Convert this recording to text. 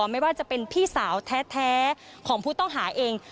ไม่ว่าจะเป็นพี่สาวแท้ของผู้ต้องหาเอง